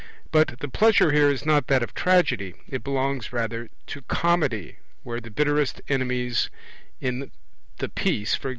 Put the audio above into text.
But the pleasure here is not that of Tragedy. It belongs rather to Comedy, where the bitterest enemies in the piece (e.g.